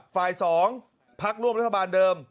ฝ่าย๒พักร่วมรัฐบาลเดิม